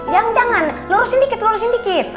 jangan jangan lorosin dikit lorosin dikit